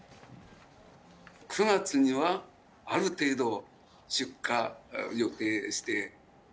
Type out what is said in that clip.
９月にはある程度、出荷予定して。